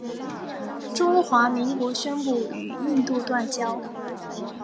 中华民国宣布与印度断交。